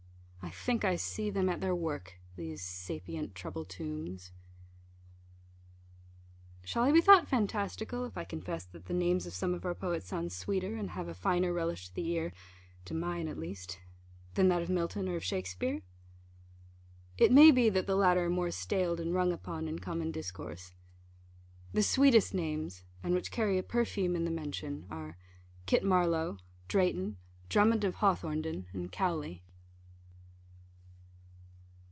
I think I see them at their work these sapient trouble tombs. Shall I be thought fantastical, if I confess, that the names of some of our poets sound sweeter, and have a finer relish to the ear to mine, at least than that of Milton or of Shakspeare? It may be, that the latter are more staled and rung upon in common discourse. The sweetest names, and which carry a perfume in the mention, are, Kit Marlowe, Drayton, Drummond of Hawthornden, and Cowley.